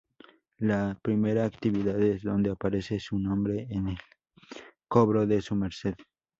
La primera actividades donde aparece su nombre en el cobro de su merced.